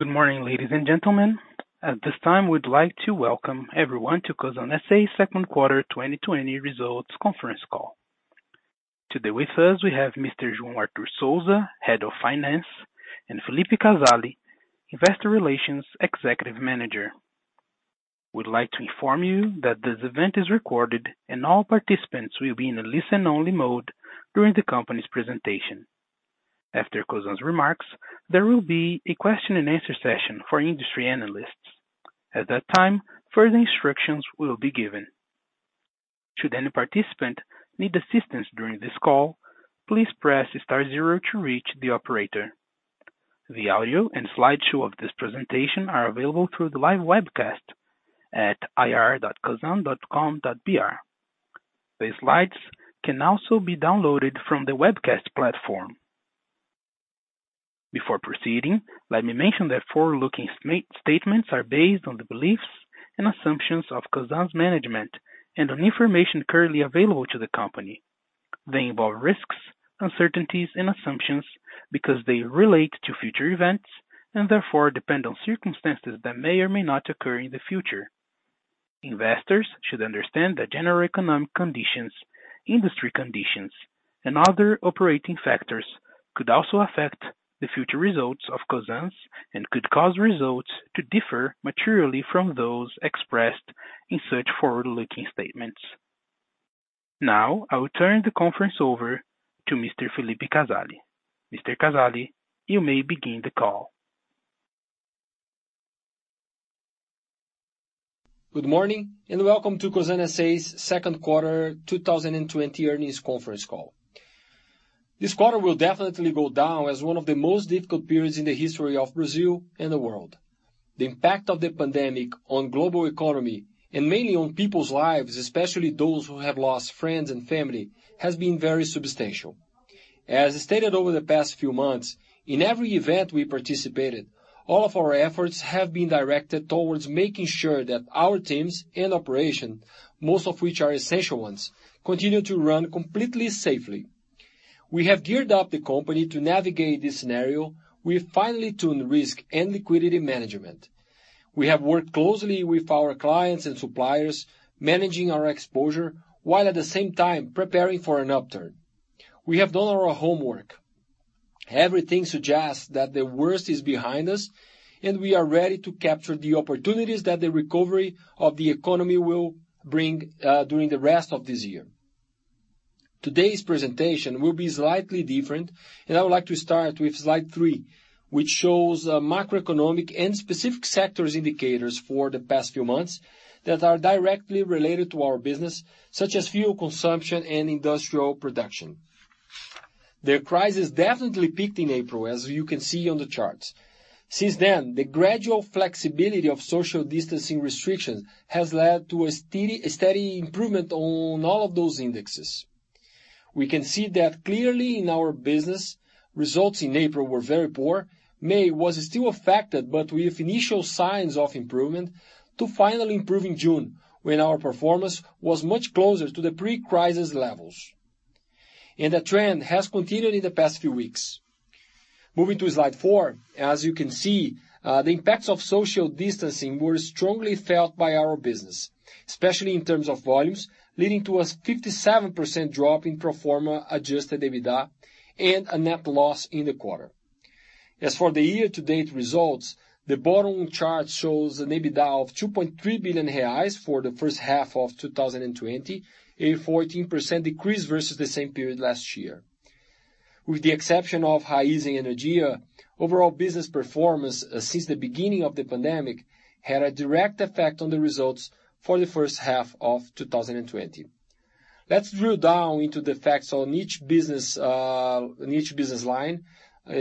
Good morning, ladies and gentlemen. At this time, we'd like to welcome everyone to Cosan S.A. Second Quarter 2020 Results Conference Call. Today with us, we have Mr. João Arthur Souza, Head of Finance, and Phillipe Casale, Investor Relations Executive Manager. We'd like to inform you that this event is recorded, and all participants will be in a listen-only mode during the company's presentation. After Cosan's remarks, there will be a question and answer session for industry analysts. At that time, further instructions will be given. Should any participant need assistance during this call, please press star zero to reach the operator. The audio and slideshow of this presentation are available through the live webcast at ir.cosan.com.br. The slides can also be downloaded from the webcast platform. Before proceeding, let me mention that forward-looking statements are based on the beliefs and assumptions of Cosan's management and on information currently available to the company. They involve risks, uncertainties, and assumptions because they relate to future events and therefore depend on circumstances that may or may not occur in the future. Investors should understand that general economic conditions, industry conditions, and other operating factors could also affect the future results of Cosan's and could cause results to differ materially from those expressed in such forward-looking statements. Now, I will turn the conference over to Mr. Phillipe Casale. Mr. Casale, you may begin the call. Good morning, welcome to Cosan S.A.'s Second Quarter 2020 Earnings Conference Call. This quarter will definitely go down as one of the most difficult periods in the history of Brazil and the world. The impact of the pandemic on global economy and mainly on people's lives, especially those who have lost friends and family, has been very substantial. As stated over the past few months, in every event we participated, all of our efforts have been directed towards making sure that our teams and operation, most of which are essential ones, continue to run completely safely. We have geared up the company to navigate this scenario with finely tuned risk and liquidity management. We have worked closely with our clients and suppliers, managing our exposure, while at the same time preparing for an upturn. We have done our homework. Everything suggests that the worst is behind us, and we are ready to capture the opportunities that the recovery of the economy will bring during the rest of this year. Today's presentation will be slightly different, and I would like to start with slide three, which shows macroeconomic and specific sectors indicators for the past few months that are directly related to our business, such as fuel consumption and industrial production. The crisis definitely peaked in April, as you can see on the charts. Since then, the gradual flexibility of social distancing restrictions has led to a steady improvement on all of those indexes. We can see that clearly in our business, results in April were very poor. May was still affected, but with initial signs of improvement to finally improve in June, when our performance was much closer to the pre-crisis levels. The trend has continued in the past few weeks. Moving to slide four, as you can see, the impacts of social distancing were strongly felt by our business, especially in terms of volumes, leading to a 57% drop in pro forma adjusted EBITDA and a net loss in the quarter. As for the year-to-date results, the bottom chart shows an EBITDA of 2.3 billion reais for the first half of 2020, a 14% decrease versus the same period last year. With the exception of Raízen Energia, overall business performance since the beginning of the pandemic had a direct effect on the results for the first half of 2020. Let's drill down into the facts on each business line,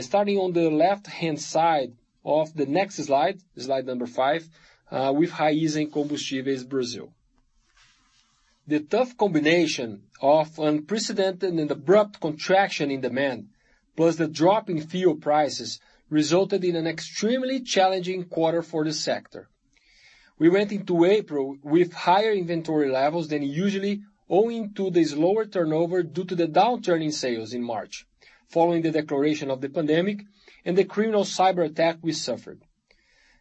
starting on the left-hand side of the next slide number five, with Raízen Combustíveis Brasil. The tough combination of unprecedented and abrupt contraction in demand, plus the drop in fuel prices, resulted in an extremely challenging quarter for the sector. We went into April with higher inventory levels than usually owing to the slower turnover due to the downturn in sales in March, following the declaration of the pandemic and the criminal cyberattack we suffered.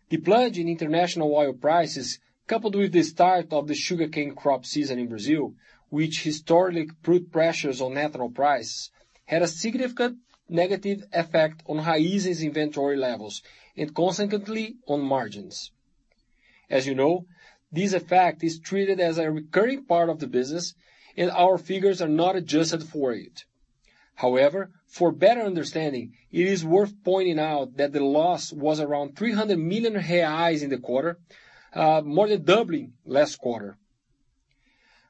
The plunge in international oil prices, coupled with the start of the sugarcane crop season in Brazil, which historically put pressures on ethanol prices, had a significant negative effect on Raízen's inventory levels and consequently on margins. As you know, this effect is treated as a recurring part of the business, and our figures are not adjusted for it. However, for better understanding, it is worth pointing out that the loss was around 300 million reais in the quarter, more than doubling last quarter.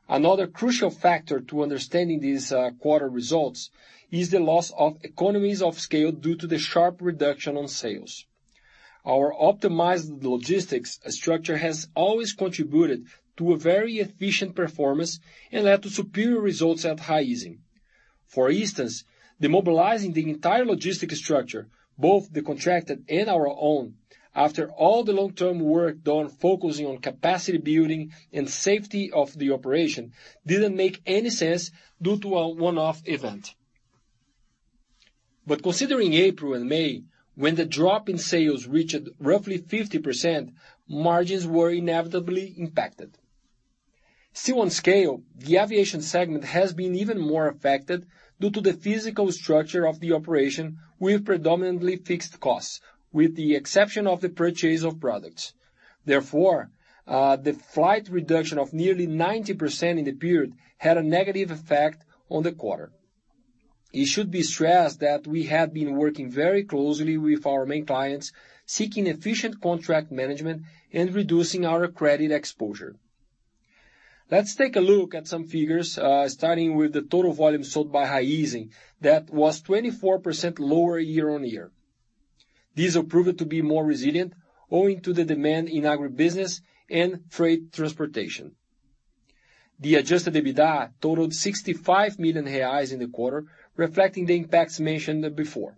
Another crucial factor to understanding these quarter results is the loss of economies of scale due to the sharp reduction on sales. Our optimized logistics structure has always contributed to a very efficient performance and led to superior results at Raízen. For instance, demobilizing the entire logistics structure, both the contracted and our own, after all the long-term work done focusing on capacity building and safety of the operation, didn't make any sense due to a one-off event. Considering April and May, when the drop in sales reached roughly 50%, margins were inevitably impacted. Still on scale, the aviation segment has been even more affected due to the physical structure of the operation with predominantly fixed costs, with the exception of the purchase of products. The flight reduction of nearly 90% in the period had a negative effect on the quarter. It should be stressed that we have been working very closely with our main clients, seeking efficient contract management and reducing our credit exposure. Let's take a look at some figures, starting with the total volume sold by Raízen that was 24% lower year-on-year. These are proven to be more resilient owing to the demand in agribusiness and freight transportation. The adjusted EBITDA totaled 65 million reais in the quarter, reflecting the impacts mentioned before.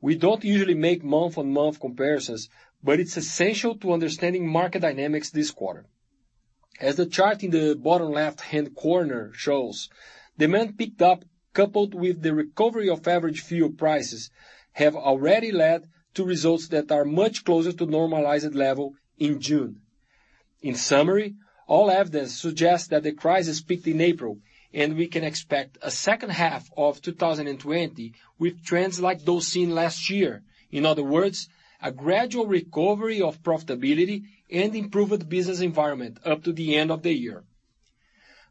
We don't usually make month-on-month comparisons, but it's essential to understanding market dynamics this quarter. As the chart in the bottom left-hand corner shows, demand picked up, coupled with the recovery of average fuel prices have already led to results that are much closer to normalized level in June. In summary, all evidence suggests that the crisis peaked in April, and we can expect a second half of 2020 with trends like those seen last year. In other words, a gradual recovery of profitability and improved business environment up to the end of the year.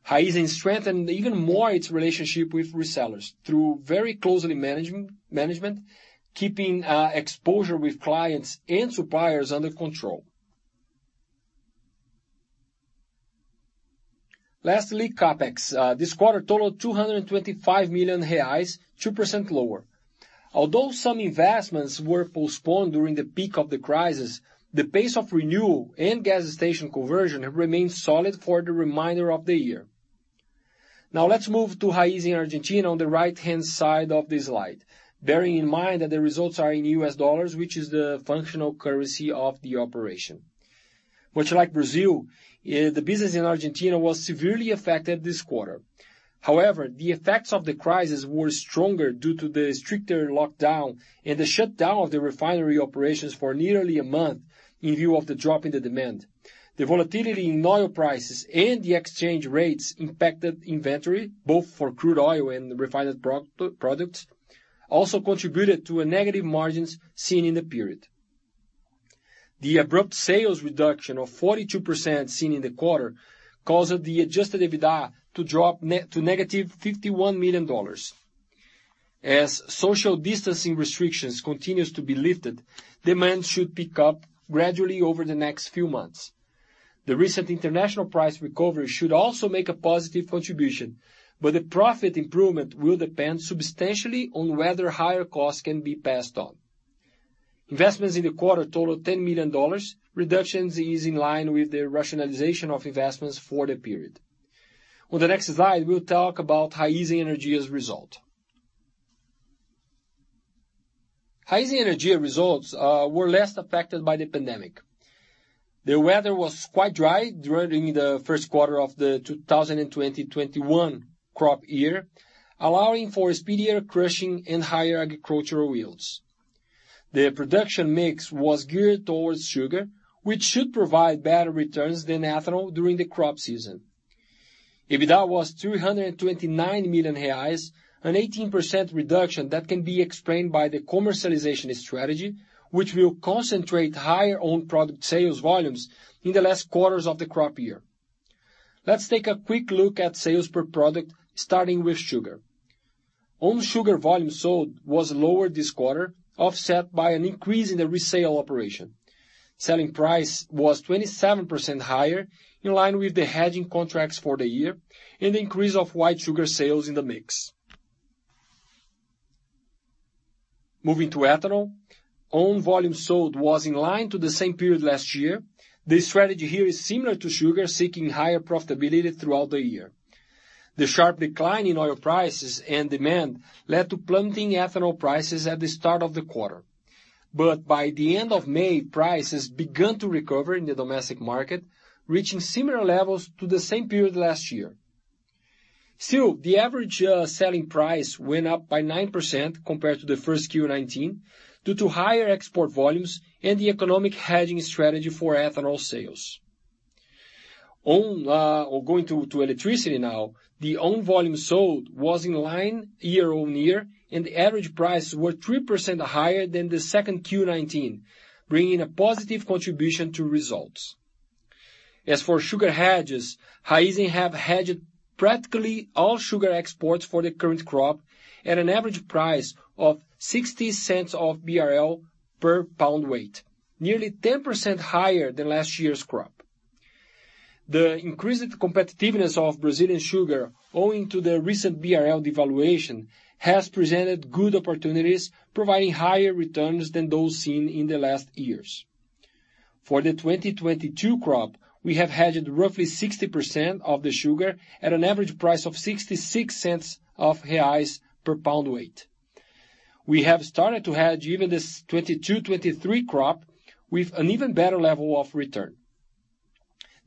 Raízen strengthened even more its relationship with resellers through very closely management, keeping exposure with clients and suppliers under control. Lastly, CapEx. This quarter totaled 225 million reais, 2% lower. Although some investments were postponed during the peak of the crisis, the pace of renewal and gas station conversion remains solid for the remainder of the year. Now let's move to Raízen Argentina on the right-hand side of the slide, bearing in mind that the results are in US dollars, which is the functional currency of the operation. Much like Brazil, the business in Argentina was severely affected this quarter. However, the effects of the crisis were stronger due to the stricter lockdown and the shutdown of the refinery operations for nearly a month in view of the drop in the demand. The volatility in oil prices and the exchange rates impacted inventory, both for crude oil and refined products, also contributed to a negative margins seen in the period. The abrupt sales reduction of 42% seen in the quarter caused the adjusted EBITDA to drop to -$51 million. As social distancing restrictions continues to be lifted, demand should pick up gradually over the next few months. The recent international price recovery should also make a positive contribution, but the profit improvement will depend substantially on whether higher costs can be passed on. Investments in the quarter totaled $10 million. Reductions is in line with the rationalization of investments for the period. On the next slide, we'll talk about Raízen Energia's result. Raízen Energia results were less affected by the pandemic. The weather was quite dry during the first quarter of the 2020/2021 crop year, allowing for speedier crushing and higher agricultural yields. The production mix was geared towards sugar, which should provide better returns than ethanol during the crop season. EBITDA was 329 million reais, an 18% reduction that can be explained by the commercialization strategy, which will concentrate higher own product sales volumes in the last quarters of the crop year. Let's take a quick look at sales per product, starting with sugar. Own sugar volume sold was lower this quarter, offset by an increase in the resale operation. Selling price was 27% higher, in line with the hedging contracts for the year, and an increase of white sugar sales in the mix. Moving to ethanol, own volume sold was in line to the same period last year. The strategy here is similar to sugar, seeking higher profitability throughout the year. The sharp decline in oil prices and demand led to plummeting ethanol prices at the start of the quarter. By the end of May, prices began to recover in the domestic market, reaching similar levels to the same period last year. Still, the average selling price went up by 9% compared to the Q1 2019 due to higher export volumes and the economic hedging strategy for ethanol sales. Going to electricity now, the own volume sold was in line year-on-year, and the average prices were 3% higher than the Q2 2019, bringing a positive contribution to results. As for sugar hedges, Raízen have hedged practically all sugar exports for the current crop at an average price of 0.60 per pound weight, nearly 10% higher than last year's crop. The increased competitiveness of Brazilian sugar, owing to the recent BRL devaluation, has presented good opportunities, providing higher returns than those seen in the last years. For the 2022 crop, we have hedged roughly 60% of the sugar at an average price of 0.66 per pound weight. We have started to hedge even this 2022/2023 crop with an even better level of return.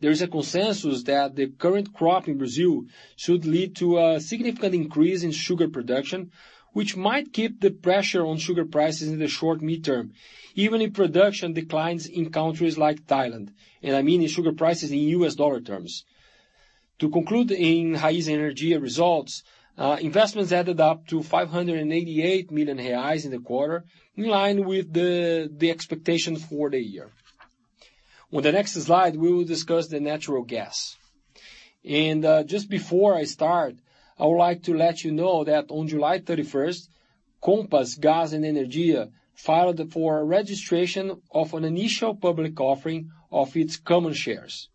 There is a consensus that the current crop in Brazil should lead to a significant increase in sugar production, which might keep the pressure on sugar prices in the short midterm, even if production declines in countries like Thailand, and I mean in sugar prices in USD terms. To conclude in Raízen Energia results, investments added up to 588 million reais in the quarter, in line with the expectation for the year. On the next slide, we will discuss the natural gas. Just before I start, I would like to let you know that on July 31st, Compass Gás e Energia filed for registration of an initial public offering of its common shares.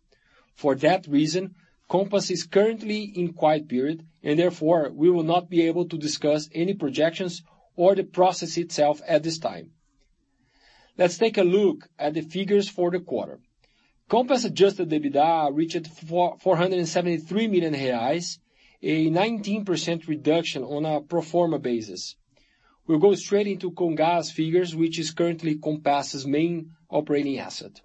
For that reason, Compass is currently in quiet period, and therefore, we will not be able to discuss any projections or the process itself at this time. Let's take a look at the figures for the quarter. Compass adjusted EBITDA reached 473 million reais, a 19% reduction on a pro forma basis. We'll go straight into COMGÁS figures, which is currently Compass's main operating asset.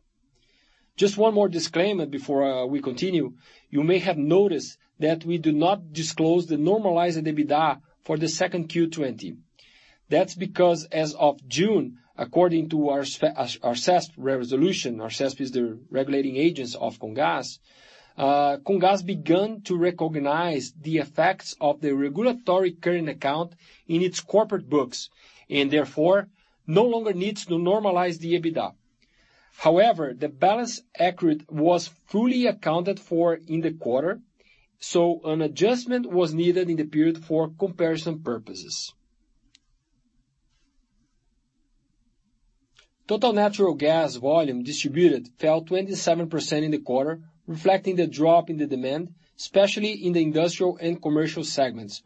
Just one more disclaimer before we continue. You may have noticed that we do not disclose the normalized EBITDA for the 2Q 2020. That's because as of June, according to our ARSESP resolution, ARSESP is the regulating agency of COMGÁS began to recognize the effects of the regulatory current account in its corporate books, and therefore, no longer needs to normalize the EBITDA. However, the balance accrued was fully accounted for in the quarter, so an adjustment was needed in the period for comparison purposes. Total natural gas volume distributed fell 27% in the quarter, reflecting the drop in the demand, especially in the industrial and commercial segments,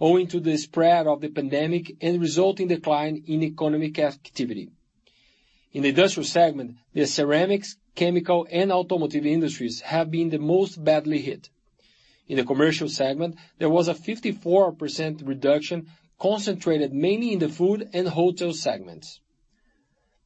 owing to the spread of the pandemic and resulting decline in economic activity. In the industrial segment, the ceramics, chemical, and automotive industries have been the most badly hit. In the commercial segment, there was a 54% reduction concentrated mainly in the food and hotel segments.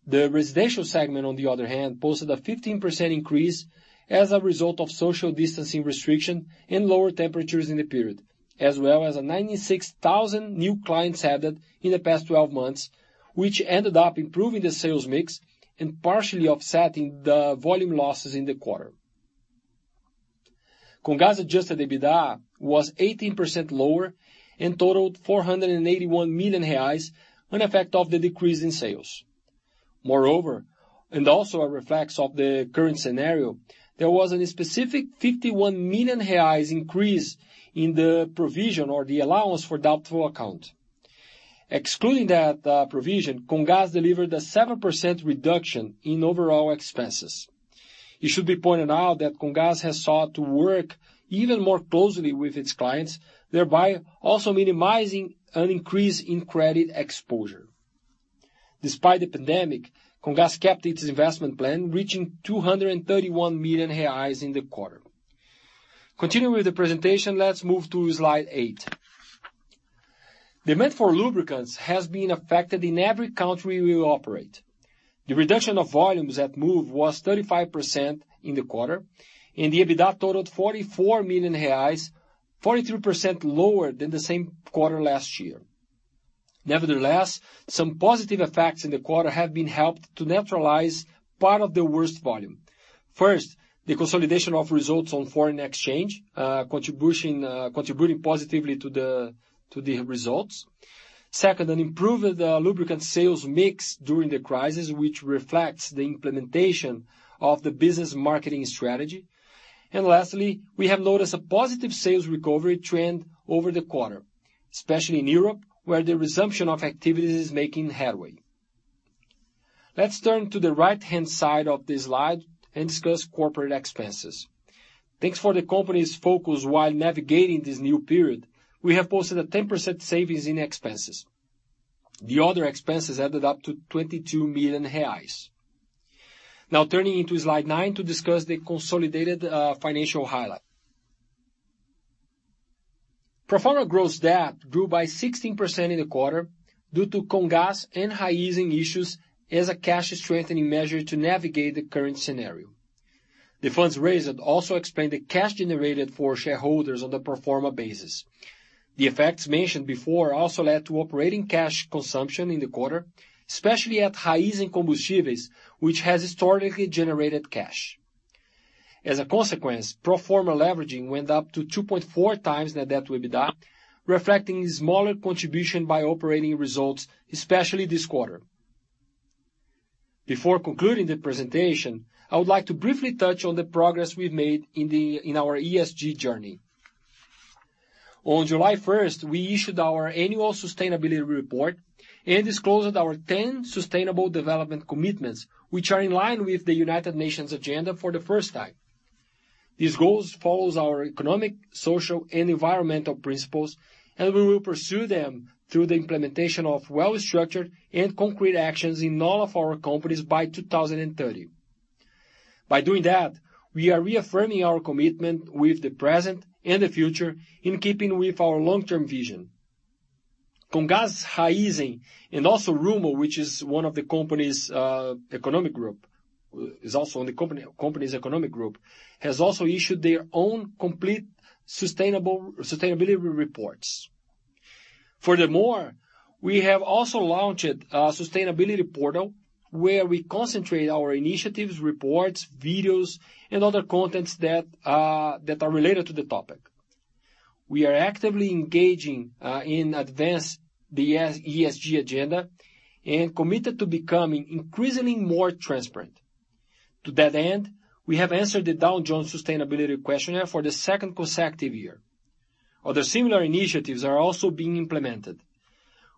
The residential segment, on the other hand, posted a 15% increase as a result of social distancing restriction and lower temperatures in the period, as well as 96,000 new clients added in the past 12 months, which ended up improving the sales mix and partially offsetting the volume losses in the quarter. COMGÁS adjusted EBITDA was 18% lower and totaled 481 million reais, an effect of the decrease in sales. Moreover, and also a reflex of the current scenario, there was a specific 51 million reais increase in the provision or the allowance for doubtful account. Excluding that provision, COMGÁS delivered a 7% reduction in overall expenses. It should be pointed out that COMGÁS has sought to work even more closely with its clients, thereby also minimizing an increase in credit exposure. Despite the pandemic, COMGÁS kept its investment plan, reaching 231 million reais in the quarter. Continuing with the presentation, let's move to slide eight. Demand for lubricants has been affected in every country we operate. The reduction of volumes at Moove was 35% in the quarter, and the EBITDA totaled 44 million reais, 43% lower than the same quarter last year. Nevertheless, some positive effects in the quarter have been helped to neutralize part of the worst volume. First, the consolidation of results on foreign exchange, contributing positively to the results. Second, an improved lubricant sales mix during the crisis, which reflects the implementation of the business marketing strategy. Lastly, we have noticed a positive sales recovery trend over the quarter, especially in Europe, where the resumption of activity is making headway. Let's turn to the right-hand side of the slide and discuss corporate expenses. Thanks for the company's focus while navigating this new period, we have posted a 10% savings in expenses. The other expenses added up to 22 million reais. Now turning into slide nine to discuss the consolidated financial highlight. Pro forma gross debt grew by 16% in the quarter due to COMGÁS and Raízen issues as a cash strengthening measure to navigate the current scenario. The funds raised also explained the cash generated for shareholders on the pro forma basis. The effects mentioned before also led to operating cash consumption in the quarter, especially at Raízen Combustíveis, which has historically generated cash. As a consequence, pro forma leveraging went up to 2.4x net debt to EBITDA, reflecting a smaller contribution by operating results, especially this quarter. Before concluding the presentation, I would like to briefly touch on the progress we've made in our ESG journey. On July 1st, we issued our annual sustainability report and disclosed our 10 sustainable development commitments, which are in line with the United Nations agenda for the first time. These goals follows our economic, social, and environmental principles, and we will pursue them through the implementation of well-structured and concrete actions in all of our companies by 2030. By doing that, we are reaffirming our commitment with the present and the future in keeping with our long-term vision. COMGÁS, Raízen, and also Rumo, which is one of the company's economic group, has also issued their own complete sustainability reports. Furthermore, we have also launched a sustainability portal where we concentrate our initiatives, reports, videos, and other contents that are related to the topic. We are actively engaging in advance the ESG agenda and committed to becoming increasingly more transparent. To that end, we have answered the Dow Jones Sustainability Questionnaire for the second consecutive year. Other similar initiatives are also being implemented.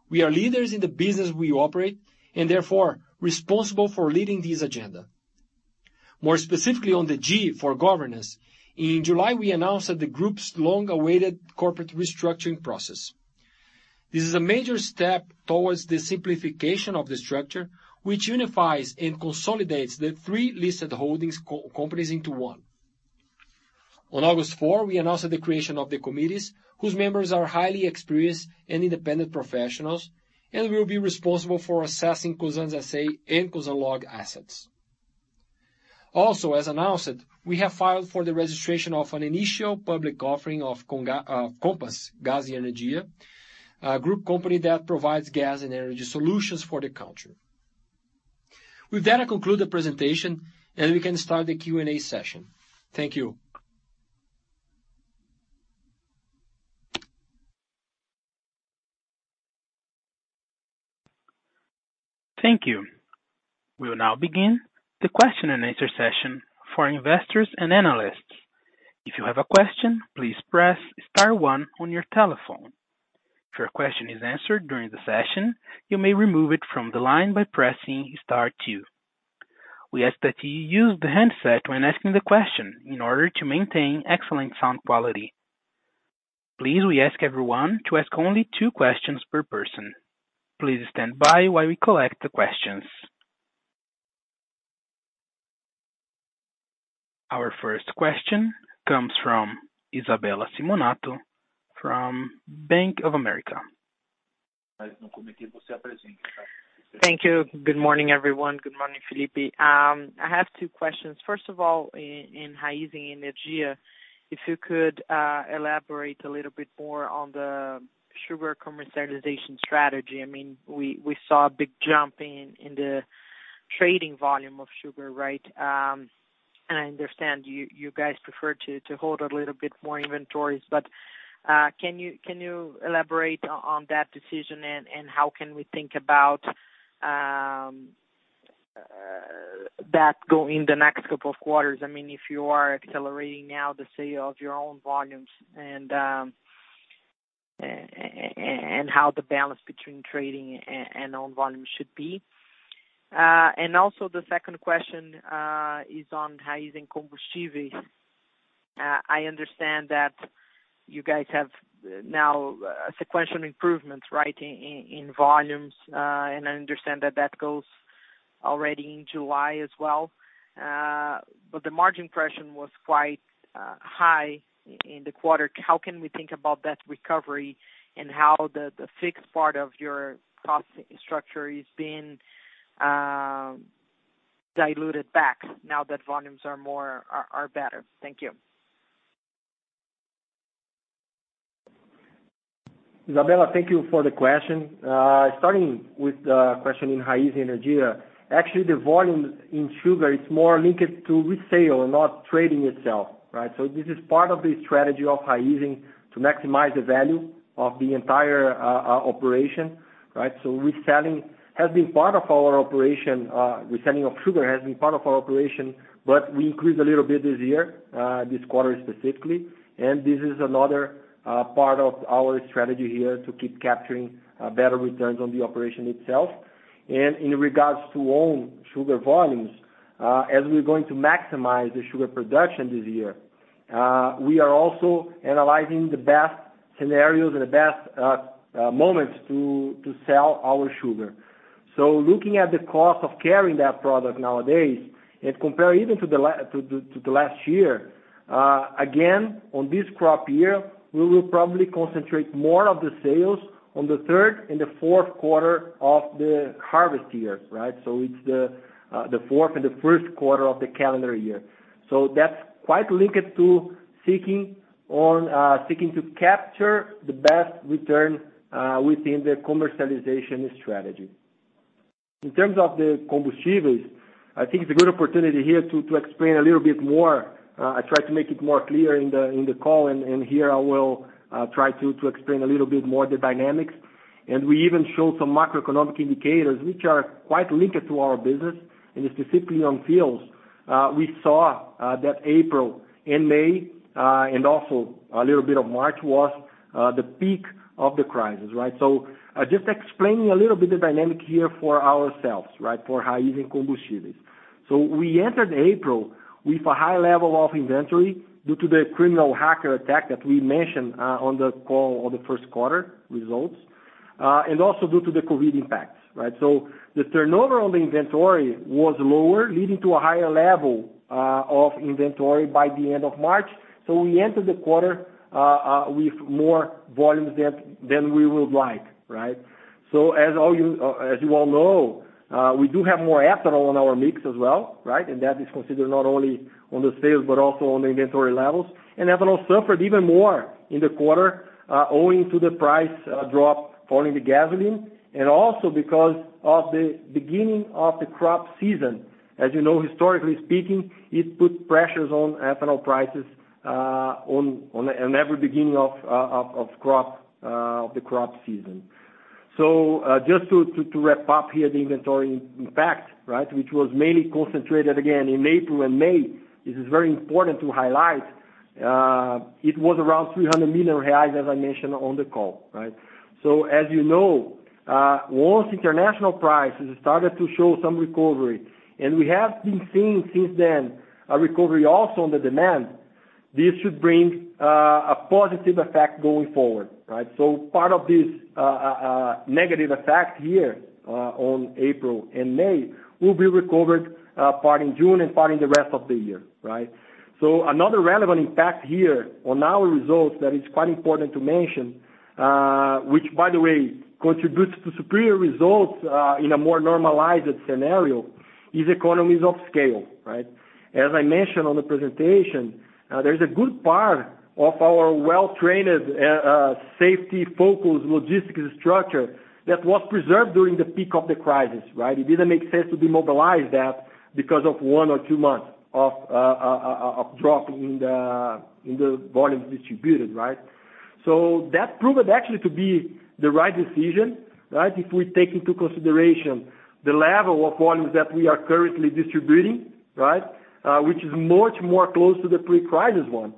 We are leaders in the business we operate and therefore responsible for leading this agenda. More specifically on the G for governance, in July, we announced that the group's long-awaited corporate restructuring process. This is a major step towards the simplification of the structure, which unifies and consolidates the three listed holdings companies into one. On August 4, we announced the creation of the committees, whose members are highly experienced and independent professionals and will be responsible for assessing Cosan S.A. and Cosan Log assets. As announced, we have filed for the registration of an initial public offering of Compass Gás e Energia, a group company that provides gas and energy solutions for the country. With that, I conclude the presentation, and we can start the Q&A session. Thank you. Thank you. We'll now begin the question and answer session for investors and analysts. Our first question comes from Isabella Simonato from Bank of America. Thank you. Good morning, everyone. Good morning, Phillipe. I have two questions. First of all, in Raízen Energia, if you could elaborate a little bit more on the sugar commercialization strategy. We saw a big jump in the trading volume of sugar, right? I understand you guys prefer to hold a little bit more inventories, but can you elaborate on that decision and how can we think about that going in the next couple of quarters? If you are accelerating now the sale of your own volumes and how the balance between trading and own volume should be. Also, the second question is on Raízen Combustíveis. I understand that you guys have now a sequential improvement, right, in volumes. I understand that that goes already in July as well. The margin pressure was quite high in the quarter. How can we think about that recovery and how the fixed part of your cost structure is being diluted back now that volumes are better? Thank you. Isabella, thank you for the question. Starting with the question in Raízen Energia. Actually, the volume in sugar is more linked to resale, not trading itself, right? This is part of the strategy of Raízen to maximize the value of the entire operation, right? Reselling of sugar has been part of our operation, but we increased a little bit this year, this quarter specifically, and this is another part of our strategy here to keep capturing better returns on the operation itself. In regards to own sugar volumes, as we're going to maximize the sugar production this year, we are also analyzing the best scenarios and the best moments to sell our sugar. Looking at the cost of carrying that product nowadays and compare even to the last year, again, on this crop year, we will probably concentrate more of the sales on the third and the fourth quarter of the harvest year, right? It's the fourth and the first quarter of the calendar year. That's quite linked to seeking to capture the best return within the commercialization strategy. In terms of the Combustíveis, I think it's a good opportunity here to explain a little bit more. I try to make it more clear in the call, here I will try to explain a little bit more the dynamics, and we even show some macroeconomic indicators, which are quite linked to our business and specifically on fuels. We saw that April and May, also a little bit of March, was the peak of the crisis, right? Just explaining a little bit the dynamic here for ourselves, right? For Raízen Combustíveis. We entered April with a high level of inventory due to the criminal hacker attack that we mentioned on the call on the first quarter results, and also due to the COVID impacts, right? The turnover on the inventory was lower, leading to a higher level of inventory by the end of March. We entered the quarter with more volumes than we would like, right? As you all know, we do have more ethanol in our mix as well, right? That is considered not only on the sales, but also on the inventory levels. Ethanol suffered even more in the quarter owing to the price drop following the gasoline, and also because of the beginning of the crop season. As you know, historically speaking, it puts pressures on ethanol prices on every beginning of the crop season. Just to wrap up here, the inventory impact, which was mainly concentrated again in April and May, this is very important to highlight. It was around 300 million reais, as I mentioned on the call. As you know, once international prices started to show some recovery, and we have been seeing since then a recovery also on the demand, this should bring a positive effect going forward. Part of this negative effect here on April and May will be recovered part in June and part in the rest of the year. Another relevant impact here on our results that is quite important to mention, which by the way, contributes to superior results in a more normalized scenario, is economies of scale. As I mentioned on the presentation, there's a good part of our well-trained safety-focused logistics structure that was preserved during the peak of the crisis, right? It didn't make sense to demobilize that because of one or two months of drop in the volumes distributed. That proved actually to be the right decision. If we take into consideration the level of volumes that we are currently distributing, which is much more close to the pre-crisis one.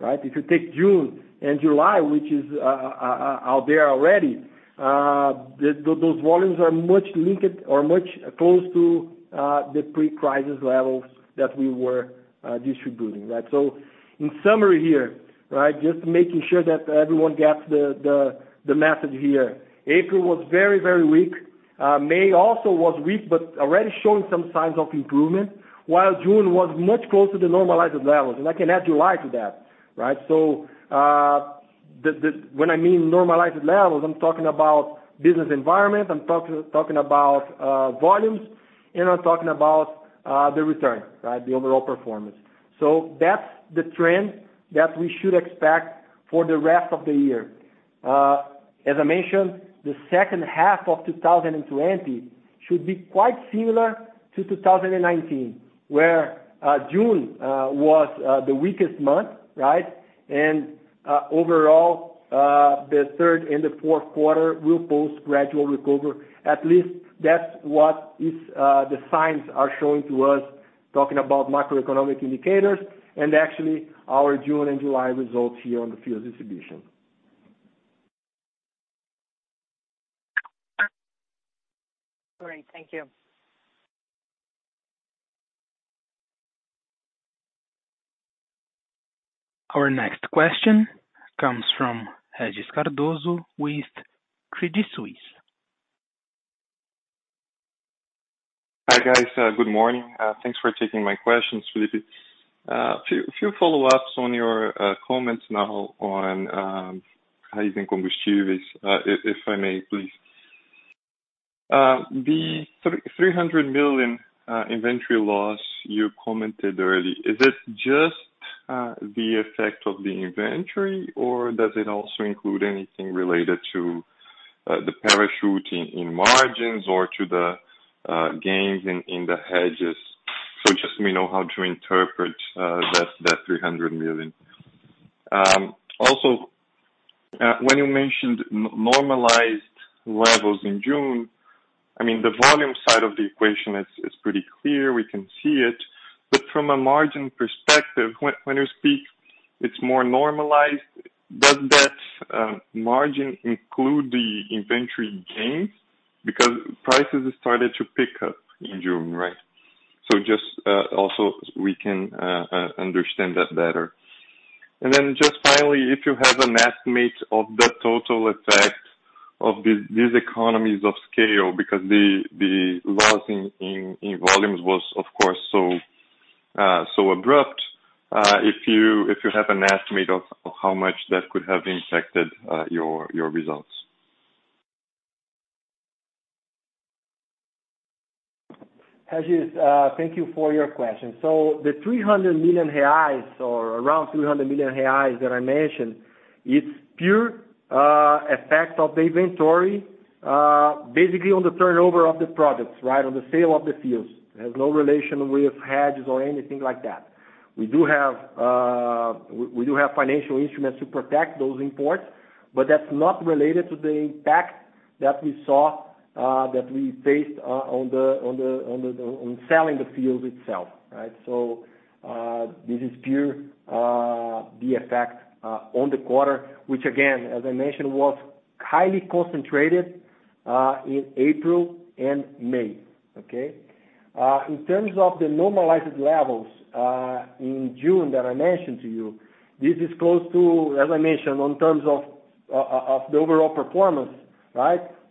If you take June and July, which is out there already, those volumes are much linked or much close to the pre-crisis levels that we were distributing. In summary here, just making sure that everyone gets the message here. April was very weak. May also was weak, but already showing some signs of improvement, while June was much closer to normalized levels. I can add July to that. When I mean normalized levels, I'm talking about business environment, I'm talking about volumes, and I'm talking about the return, the overall performance. That's the trend that we should expect for the rest of the year. As I mentioned, the second half of 2020 should be quite similar to 2019, where June was the weakest month. Overall, the third and the fourth quarter will post gradual recovery. At least that's what the signs are showing to us, talking about macroeconomic indicators and actually our June and July results here on the fuel distribution. Great. Thank you. Our next question comes from Regis Cardoso with Credit Suisse. Hi, guys. Good morning. Thanks for taking my questions, Phillipe. A few follow-ups on your comments now on Raízen Combustíveis if I may, please. The 300 million inventory loss you commented earlier, is it just the effect of the inventory or does it also include anything related to the parachuting in margins or to the gains in the hedges? Just let me know how to interpret that 300 million. When you mentioned normalized levels in June, the volume side of the equation is pretty clear. We can see it. From a margin perspective, when you speak it's more normalized, does that margin include the inventory gains because prices started to pick up in June, right? Just also we can understand that better. Just finally, if you have an estimate of the total effect of these economies of scale, because the loss in volumes was of course so abrupt, if you have an estimate of how much that could have impacted your results? Regis, thank you for your question. The 300 million reais or around 300 million reais that I mentioned, it's pure effect of the inventory basically on the turnover of the products, on the sale of the fuels. It has no relation with hedges or anything like that. We do have financial instruments to protect those imports, but that's not related to the impact that we faced on selling the fuels itself. This is pure the effect on the quarter, which again, as I mentioned, was highly concentrated in April and May. Okay? In terms of the normalized levels in June that I mentioned to you, this is close to, as I mentioned, in terms of the overall performance.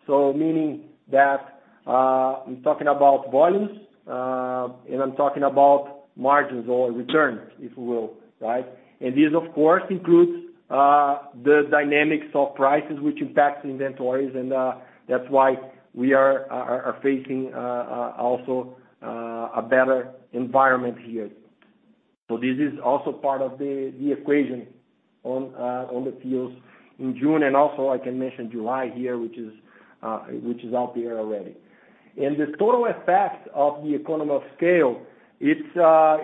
Meaning that I'm talking about volumes, and I'm talking about margins or returns, if you will. Right? This, of course, includes the dynamics of prices, which impacts inventories. That's why we are facing also a better environment here. This is also part of the equation on the fuels in June, and also I can mention July here, which is out there already. The total effect of the economy of scale, we're not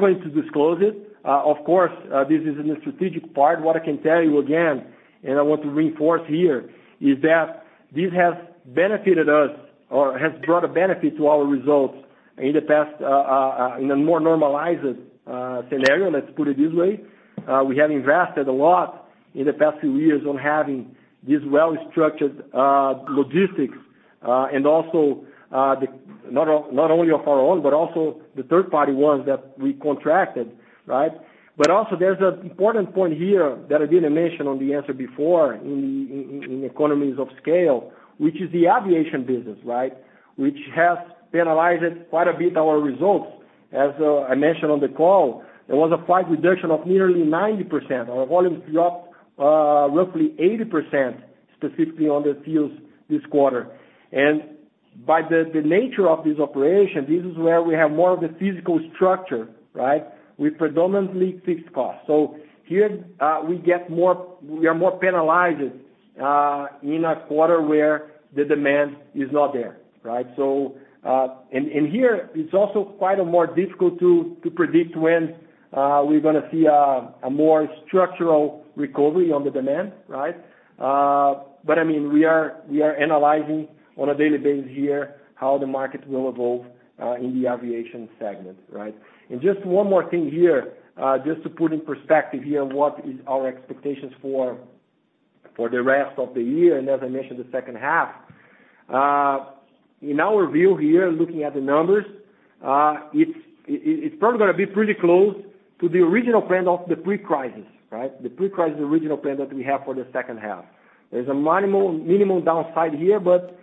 going to disclose it. Of course, this is in the strategic part. What I can tell you again, and I want to reinforce here, is that this has benefited us or has brought a benefit to our results in a more normalized scenario, let's put it this way. We have invested a lot in the past few years on having this well-structured logistics, not only of our own, but also the third-party ones that we contracted. Right? There's an important point here that I didn't mention on the answer before in economies of scale, which is the aviation business, right, which has penalized quite a bit our results. As I mentioned on the call, there was a flight reduction of nearly 90%. Our volumes dropped roughly 80%, specifically on the fuels this quarter. By the nature of this operation, this is where we have more of the physical structure, right? We predominantly fixed costs. Here, we are more penalized in a quarter where the demand is not there. Right? Here, it's also quite more difficult to predict when we're going to see a more structural recovery on the demand. Right? We are analyzing on a daily basis here how the market will evolve in the aviation segment. Right? Just one more thing here, just to put in perspective here what is our expectations for the rest of the year, and as I mentioned, the second half. In our view here, looking at the numbers, it's probably going to be pretty close to the original plan of the pre-crisis. Right? The pre-crisis original plan that we have for the second half. There's a minimal downside here, but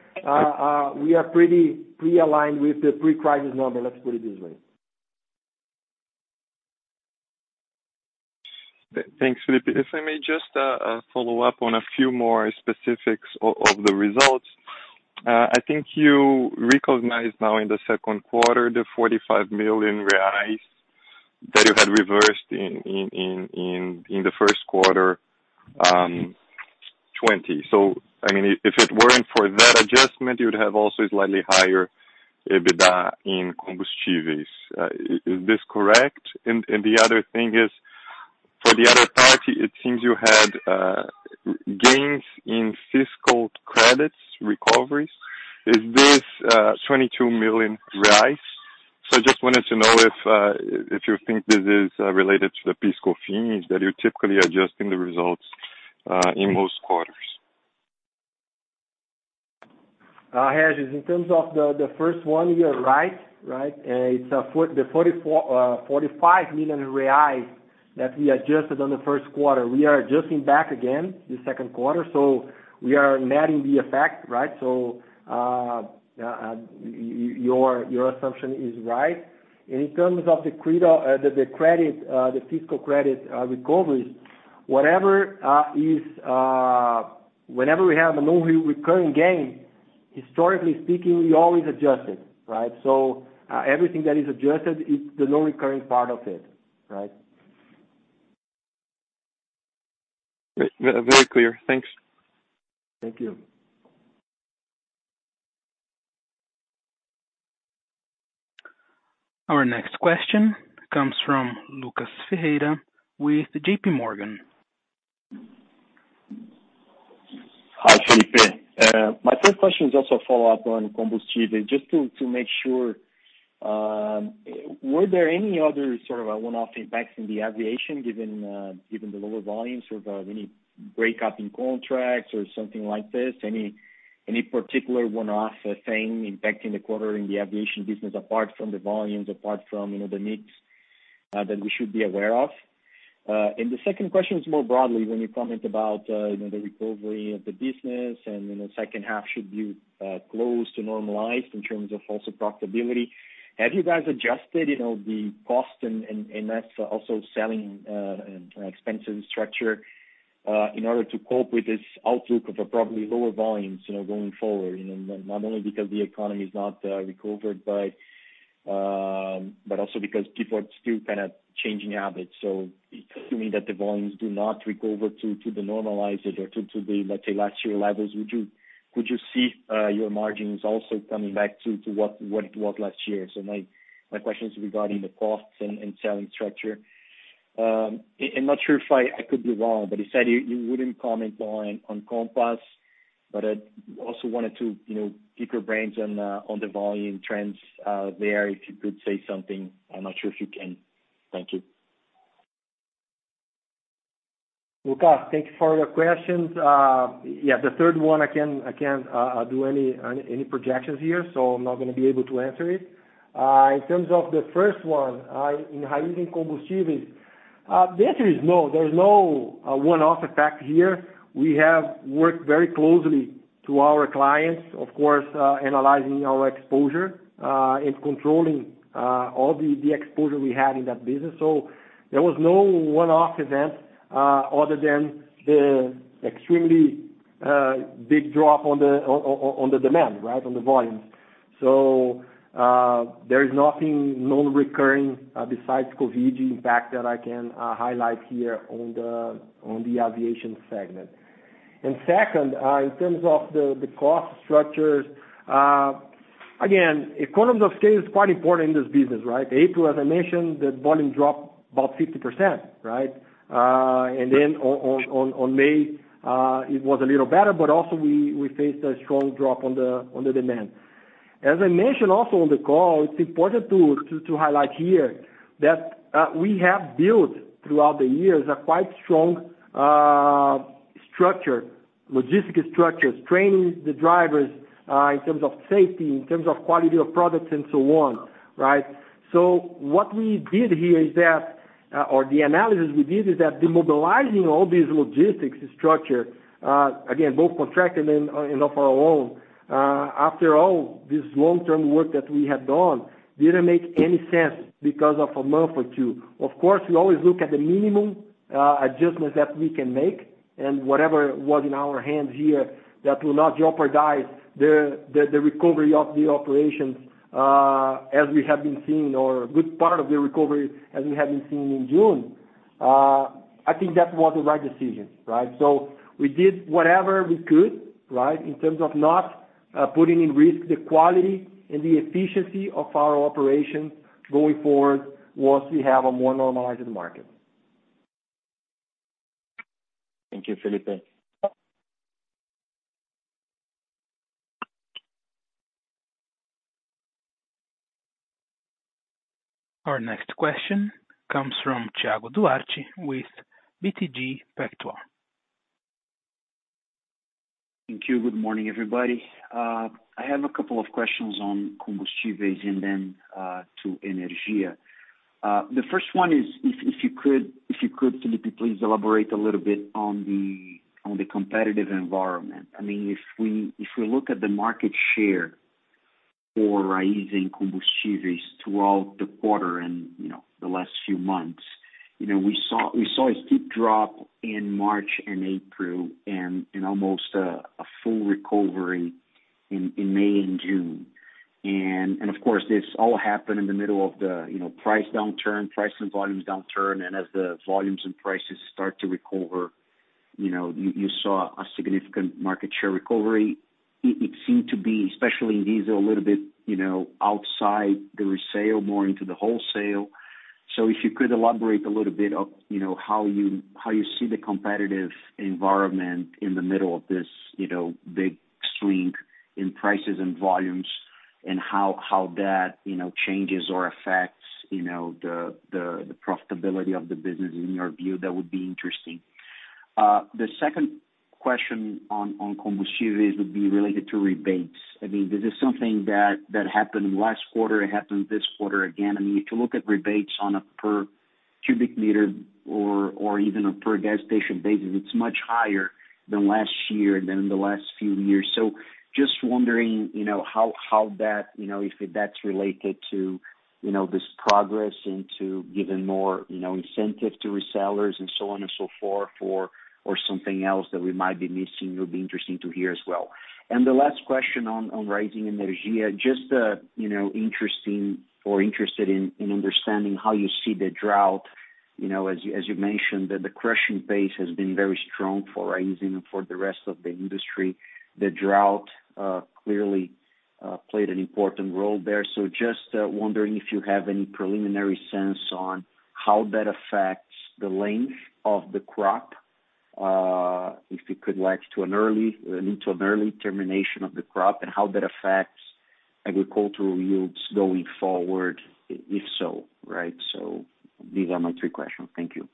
we are pretty pre-aligned with the pre-crisis number, let's put it this way. Thanks, Phillipe. If I may just follow up on a few more specifics of the results. I think you recognized now in the second quarter the 45 million reais that you had reversed in the first quarter 2020. If it weren't for that adjustment, you'd have also a slightly higher EBITDA in Combustíveis. Is this correct? The other thing is, for the other party, it seems you had gains in fiscal credits recoveries. Is this 22 million reais? I just wanted to know if you think this is related to the PIS/COFINS that you're typically adjusting the results in most quarters. Regis, in terms of the first one, you are right. It's the 45 million reais that we adjusted in the first quarter. We are adjusting back again the second quarter. We are netting the effect, right? Your assumption is right. In terms of the fiscal credit recoveries, whenever we have a non-recurring gain, historically speaking, we always adjust it. Right? Everything that is adjusted, it's the non-recurring part of it. Right? Very clear. Thanks. Thank you. Our next question comes from Lucas Ferreira with JPMorgan. Hi, Phillipe. My first question is also a follow-up on Combustíveis, just to make sure. Were there any other sort of one-off impacts in the aviation given the lower volumes, sort of any break-up in contracts or something like this? Any particular one-off thing impacting the quarter in the aviation business apart from the volumes, apart from the mix that we should be aware of? The second question is more broadly, when you comment about the recovery of the business and the second half should be close to normalized in terms of also profitability. Have you guys adjusted the cost and also selling expenses structure in order to cope with this outlook of probably lower volumes going forward? Not only because the economy is not recovered but also because people are still kind of changing habits. Assuming that the volumes do not recover to the normalized or to the, let's say, last year levels, could you see your margins also coming back to what it was last year? My question is regarding the costs and selling structure. I'm not sure if I could be wrong, but you said you wouldn't comment on Compass, but I also wanted to pick your brains on the volume trends there, if you could say something. I'm not sure if you can. Thank you. Lucas, thank you for your questions. The third one, I can't do any projections here, so I'm not going to be able to answer it. In terms of the first one, in Raízen Combustíveis. The answer is no, there is no one-off effect here. We have worked very closely to our clients, of course, analyzing our exposure and controlling all the exposure we had in that business. There was no one-off event other than the extremely big drop on the demand, on the volumes. There is nothing non-recurring besides COVID impact that I can highlight here on the aviation segment. Second, in terms of the cost structures. Again, economies of scale is quite important in this business. April, as I mentioned, the volume dropped about 50%. Then on May it was a little better, but also we faced a strong drop on the demand. As I mentioned also on the call, it's important to highlight here that we have built, throughout the years, a quite strong logistic structures, training the drivers in terms of safety, in terms of quality of products and so on. What we did here is that, or the analysis we did is that demobilizing all these logistics structure, again, both contracted and of our own. After all, this long-term work that we had done didn't make any sense because of a month or two. Of course, we always look at the minimum adjustments that we can make and whatever was in our hands here that will not jeopardize the recovery of the operations as we have been seeing or a good part of the recovery as we have been seeing in June. I think that was the right decision. We did whatever we could in terms of not putting in risk the quality and the efficiency of our operations going forward once we have a more normalized market. Thank you Phillipe. Our next question comes from Thiago Duarte with BTG Pactual. Thank you. Good morning, everybody. I have a couple of questions on Combustíveis and then to Energia. The first one is, if you could, Phillipe, please elaborate a little bit on the competitive environment. If we look at the market share for Raízen Combustíveis throughout the quarter and the last few months, we saw a steep drop in March and April and an almost a full recovery in May and June. Of course, this all happened in the middle of the price downturn, price and volumes downturn. As the volumes and prices start to recover you saw a significant market share recovery. It seemed to be, especially in diesel, a little bit outside the resale, more into the wholesale. If you could elaborate a little bit of how you see the competitive environment in the middle of this big swing in prices and volumes and how that changes or affects the profitability of the business in your view, that would be interesting. The second question on Combustíveis would be related to rebates. This is something that happened last quarter, it happened this quarter again. If you look at rebates on a per cubic meter or even a per gas station basis, it's much higher than last year, than in the last few years. Just wondering, if that's related to this progress into giving more incentive to resellers and so on and so forth, or something else that we might be missing, it would be interesting to hear as well. The last question on Raízen Energia, just interested in understanding how you see the drought. As you mentioned, the crushing pace has been very strong for Raízen and for the rest of the industry. The drought clearly played an important role there. Just wondering if you have any preliminary sense on how that affects the length of the crop. If it could lead to an early termination of the crop, and how that affects agricultural yields going forward, if so. These are my three questions. Thank you.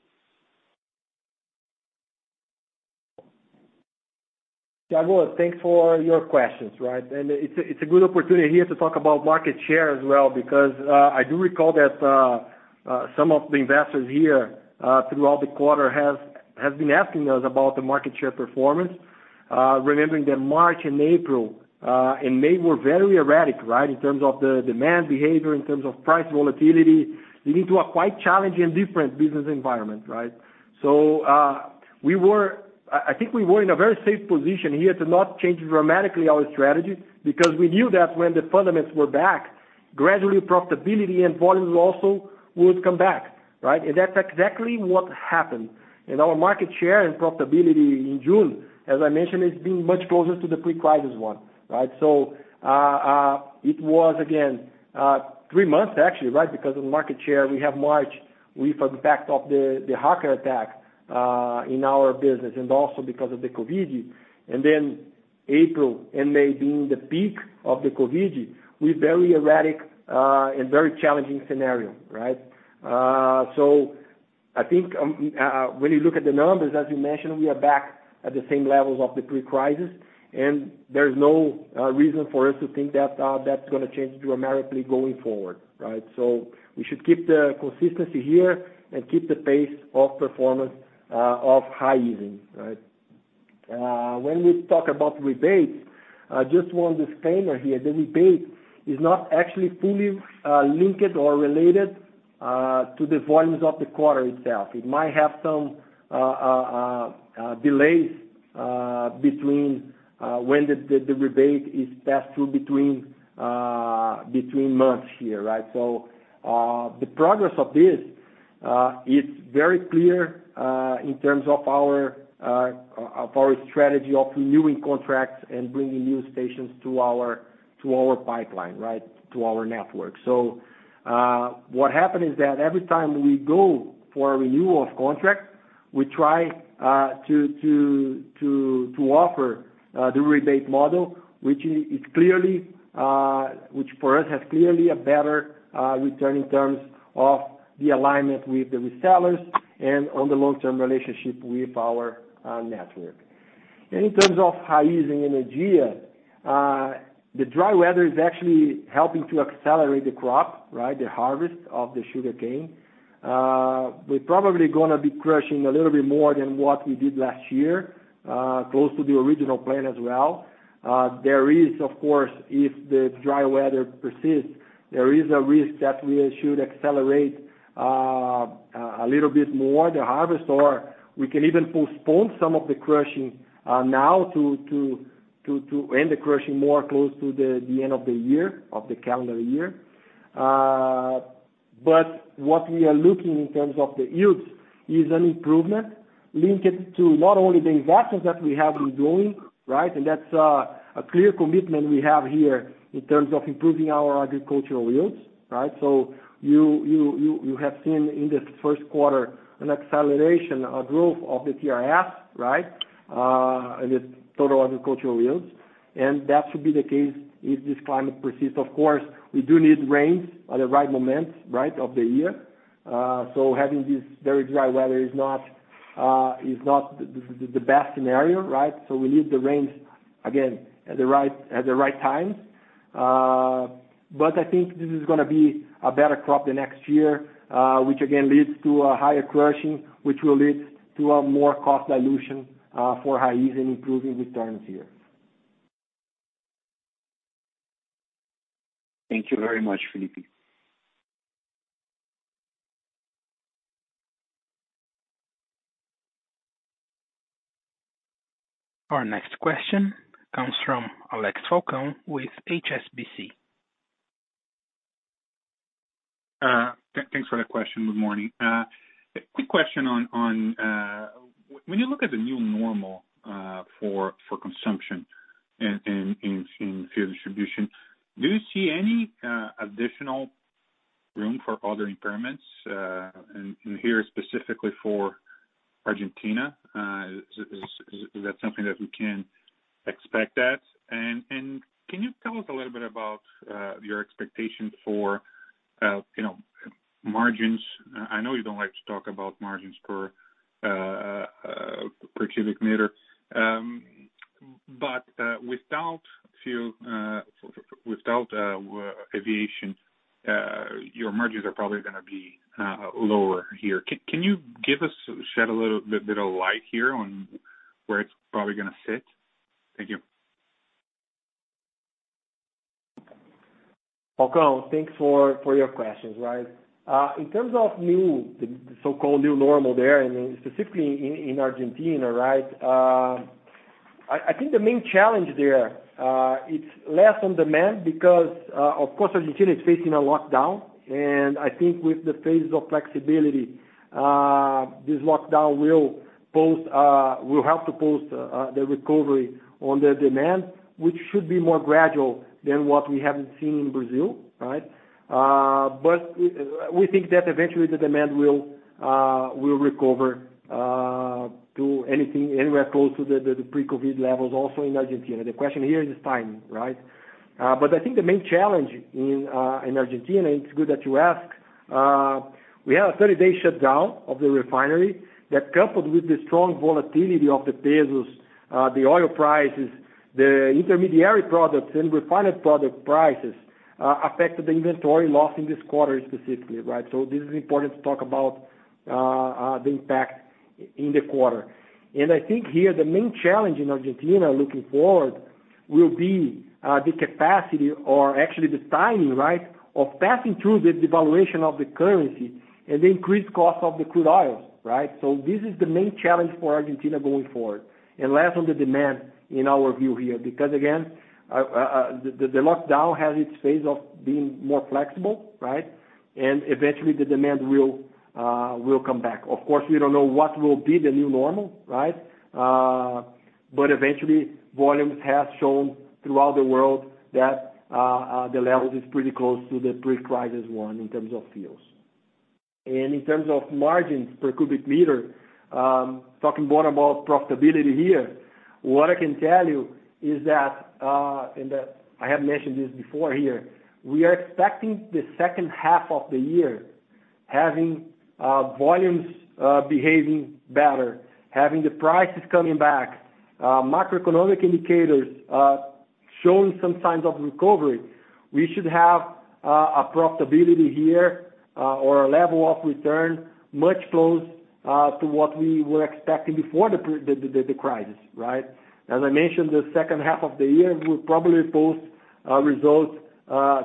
Thiago, thanks for your questions. It's a good opportunity here to talk about market share as well because I do recall that some of the investors here throughout the quarter have been asking us about the market share performance. Remembering that March and April and May were very erratic in terms of the demand behavior, in terms of price volatility, leading to a quite challenging and different business environment. I think we were in a very safe position here to not change dramatically our strategy because we knew that when the fundamentals were back, gradually profitability and volumes also would come back. That's exactly what happened. Our market share and profitability in June, as I mentioned, is being much closer to the pre-crisis one. It was again three months actually, because of the market share we have March, we felt backed off the hacker attack in our business and also because of the COVID. April and May being the peak of the COVID, with very erratic and very challenging scenario. I think when you look at the numbers, as you mentioned, we are back at the same levels of the pre-crisis, and there is no reason for us to think that's going to change dramatically going forward. We should keep the consistency here and keep the pace of performance of Raízen. When we talk about rebates, just one disclaimer here, the rebate is not actually fully linked or related to the volumes of the quarter itself. It might have some delays between when the rebate is passed through between months here. The progress of this is very clear in terms of our strategy of renewing contracts and bringing new stations to our pipeline, to our network. What happened is that every time we go for a renewal of contract, we try to offer the rebate model, which for us has clearly a better return in terms of the alignment with the resellers and on the long-term relationship with our network. In terms of Raízen Energia, the dry weather is actually helping to accelerate the crop, the harvest of the sugarcane. We're probably going to be crushing a little bit more than what we did last year, close to the original plan as well. There is, of course, if the dry weather persists, there is a risk that we should accelerate a little bit more the harvest, or we can even postpone some of the crushing now to end the crushing more close to the end of the calendar year. What we are looking in terms of the yields is an improvement linked to not only the investments that we have been doing, and that's a clear commitment we have here in terms of improving our agricultural yields. You have seen in this first quarter an acceleration, a growth of the TRS and the total agricultural yields. That should be the case if this climate persists. Of course, we do need rains at the right moments of the year. Having this very dry weather is not the best scenario. We need the rains, again, at the right time. I think this is going to be a better crop the next year, which again leads to a higher crushing, which will lead to a more cost dilution for Raízen improving returns here. Thank you very much, Phillipe. Our next question comes from Alex Falcão with HSBC. Thanks for the question. Good morning. A quick question on when you look at the new normal for consumption in fuel distribution, do you see any additional room for other impairments? Here, specifically for Argentina, is that something that we can expect that? Can you tell us a little bit about your expectation for margins? I know you don't like to talk about margins per cubic meter. Without aviation, your margins are probably going to be lower here. Can you shed a little bit of light here on where it's probably going to sit? Thank you. Falcão, thanks for your questions. In terms of the so-called new normal there, specifically in Argentina. I think the main challenge there, it's less on demand because, of course, Argentina is facing a lockdown, and I think with the phases of flexibility this lockdown will help to boost the recovery on the demand, which should be more gradual than what we have seen in Brazil. We think that eventually the demand will recover to anywhere close to the pre-COVID levels also in Argentina. The question here is time. I think the main challenge in Argentina, it's good that you ask, we had a 30-day shutdown of the refinery that coupled with the strong volatility of the business, the oil prices, the intermediary products and refined product prices, affected the inventory loss in this quarter specifically. This is important to talk about the impact in the quarter. I think here, the main challenge in Argentina looking forward will be the capacity or actually the timing of passing through the devaluation of the currency and the increased cost of the crude oils. This is the main challenge for Argentina going forward. Less on the demand in our view here, because again the lockdown has its phase of being more flexible. Eventually the demand will come back. Of course, we don't know what will be the new normal. Eventually, volumes have shown throughout the world that the levels is pretty close to the pre-crisis one in terms of fuels. In terms of margins per cubic meter, talking more about profitability here, what I can tell you is that, and I have mentioned this before here, we are expecting the second half of the year having volumes behaving better, having the prices coming back, macroeconomic indicators showing some signs of recovery. We should have a profitability here or a level of return much closer to what we were expecting before the crisis. As I mentioned, the second half of the year will probably post results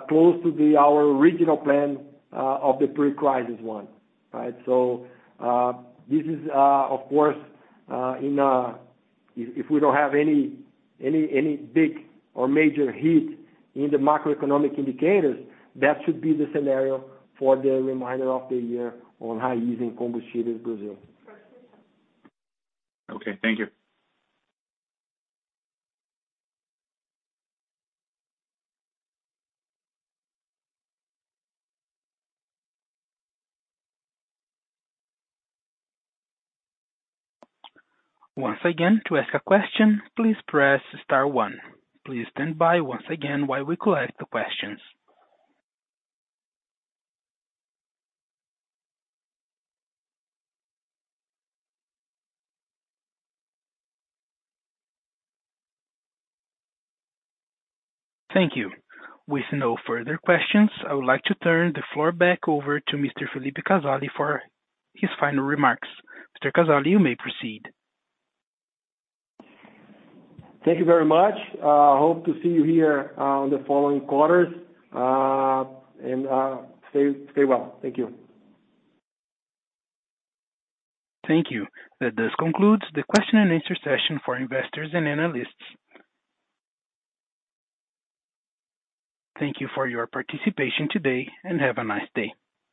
close to our original plan of the pre-crisis one. This is, of course if we don't have any big or major hit in the macroeconomic indicators, that should be the scenario for the remainder of the year on Raízen Combustíveis Brazil. Okay. Thank you. Thank you. With no further questions, I would like to turn the floor back over to Mr. Phillipe Casale for his final remarks. Mr. Casale, you may proceed. Thank you very much. Hope to see you here on the following quarters. Stay well. Thank you. Thank you. This concludes the question and answer session for investors and analysts. Thank you for your participation today, and have a nice day.